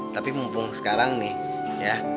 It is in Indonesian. tapi mumpung sekarang nih ya